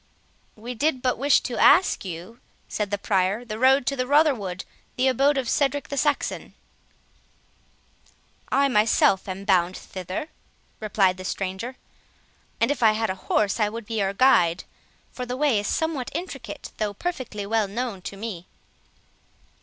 "We did but wish to ask you," said the Prior, "the road to Rotherwood, the abode of Cedric the Saxon." "I myself am bound thither," replied the stranger; "and if I had a horse, I would be your guide, for the way is somewhat intricate, though perfectly well known to me."